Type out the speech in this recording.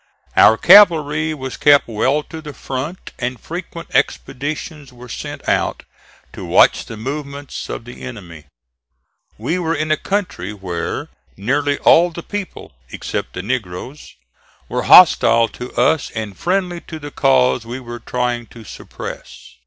Our cavalry was kept well to the front and frequent expeditions were sent out to watch the movements of the enemy. We were in a country where nearly all the people, except the negroes, were hostile to us and friendly to the cause we were trying to suppress.